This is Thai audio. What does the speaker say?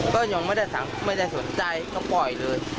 ก็ยังไม่ได้สนใจก็ปล่อยเลย